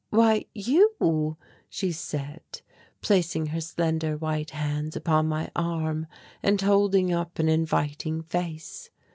"Why you," she said, placing her slender white hands upon my arm, and holding up an inviting face.